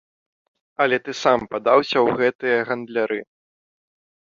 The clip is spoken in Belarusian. Але ты сам падаўся ў гэтыя гандляры.